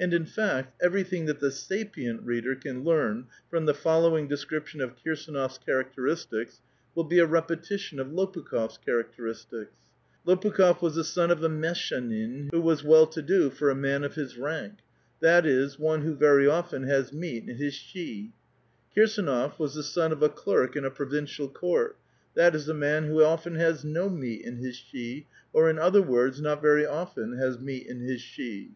And, in fact, everything: that the \®*P*^iit) reader can learn from the following description of Kirs^iji^Qfg characteristics, will be a repetition of Lopukh6f's chara.<itej.igtics. Lopukh6f was the son of a meshchduin, who ^^v as well to do for a man of liis rank, — that is, one who \r^ry often has meat in his sJichi; Kirsdnof was the son 01 a olerk in a provincial court, — that is, a man who often has txc^ meat in his shchi; or, in other words, not very often has xxieat in his shchi.